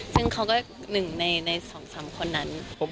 ซึ่งเขาก็หนึ่งใน๒๓คนนั้น